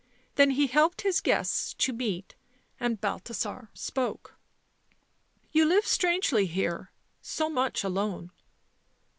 Then he helped his guests to meat, and Balthasar spoke. " You live strangely here — so much alone."